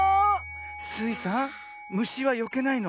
スイさんむしはよけないの。